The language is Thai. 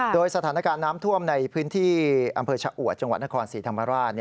โดยสถานการณ์น้ำท่วมในพื้นที่อำเภอชะอวดจังหวัดนครศรีธรรมราช